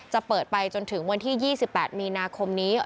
จะเปิดไปจนถึงวันที่๒๘มีนาคมนี้